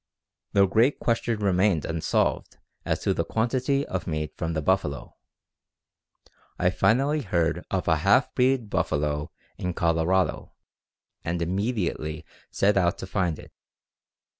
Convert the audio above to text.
"The great question remained unsolved as to the quantity of meat from the buffalo. I finally heard of a half breed buffalo in Colorado, and immediately set out to find it.